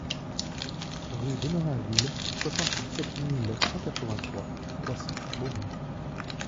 Rue d'Emerainville, soixante-dix-sept mille cent quatre-vingt-trois Croissy-Beaubourg